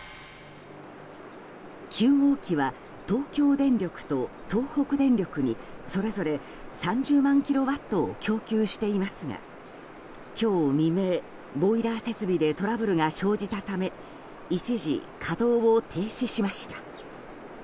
９号機は東京電力と東北電力にそれぞれ３０万キロワットを供給していますが今日未明、ボイラー設備でトラブルが生じたため一時、稼働を停止しました。